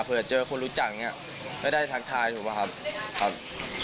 เผื่อจะเจอคนรู้จักอย่างนี้ไม่ได้ทักทายถูกป่ะครับ